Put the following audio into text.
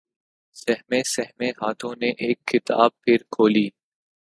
سہمے سہمے ہاتھوں نے اک کتاب پھر کھولی